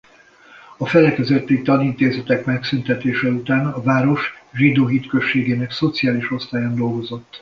A felekezeti tanintézetek megszüntetése után a város zsidó hitközségének szociális osztályán dolgozott.